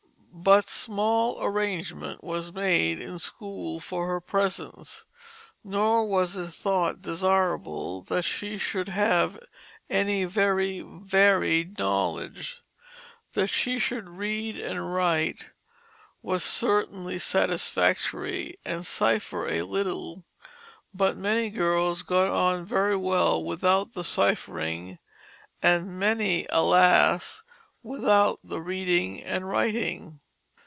But small arrangement was made in any school for her presence, nor was it thought desirable that she should have any very varied knowledge. That she should read and write was certainly satisfactory, and cipher a little; but many girls got on very well without the ciphering, and many, alas! without the reading and writing.